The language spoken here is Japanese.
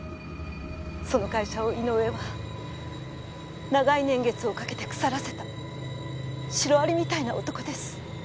その会社を井上は長い年月をかけて腐らせたシロアリみたいな男です。